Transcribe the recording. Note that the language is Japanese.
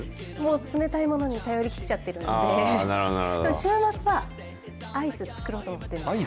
冷たいものに頼りきっちゃっているので週末はアイス作ろうと思ってます。